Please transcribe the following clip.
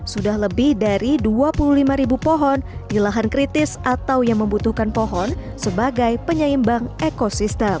sudah lebih dari dua puluh lima ribu pohon di lahan kritis atau yang membutuhkan pohon sebagai penyeimbang ekosistem